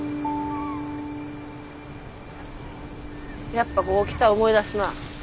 やっぱここ来たら思い出すな。